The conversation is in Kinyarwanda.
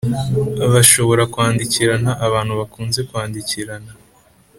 Bashobora kwandikirana abantu bakunze kwandikirana